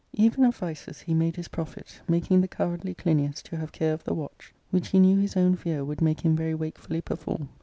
Even of vices he made his profit ; making the cowardly Clinias to have care of the watch, which he knew his own fear would make him very wakefuUy perform.